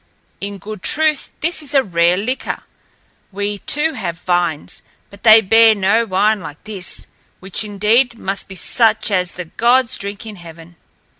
In good truth this is a rare liquor. We, too, have vines, but they bear no wine like this, which indeed must be such as the gods drink in heaven."